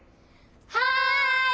はい！